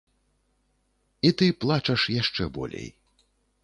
І ты плачаш яшчэ болей.